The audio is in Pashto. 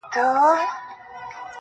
كله ،كله ديدنونه زما بــدن خــوري.